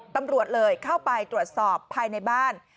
ตำรวจเลยเข้าไปตรวจสอบภายในบ้าน